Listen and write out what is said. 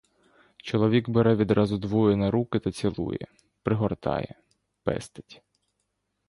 Чоловік бере відразу двоє на руки та цілує, пригортає, пестить.